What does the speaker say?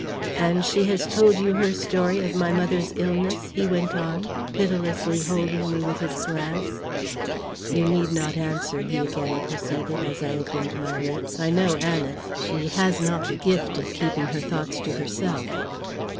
"And she has told you her story of my mother's illness?" he went on, pitilessly holding me with his glance. "You need not answer," he again proceeded, as I opened my lips. "I know Anice; she has not the gift of keeping her thoughts to herself."